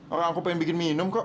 orang aku pengen bikin minum kok